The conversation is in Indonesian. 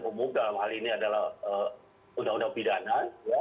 umum dalam hal ini adalah undang undang pidana